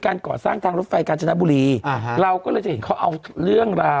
ไม่ต้องไปเองล่ะอาจารย่อนเล่าเรื่อง